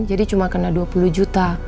jadi cuma kena dua puluh juta